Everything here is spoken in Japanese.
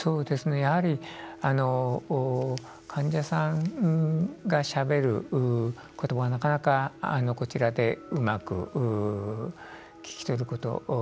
やはり患者さんがしゃべる言葉はなかなか、こちらでうまく聞き取ること。